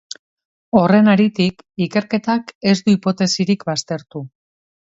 Horren haritik, ikerketak ez du hipotesirik baztertu.